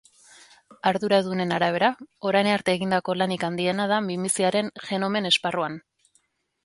Arduradunen arabera, orain arte egindako lanik handiena da minbiziaren genomen esparruan.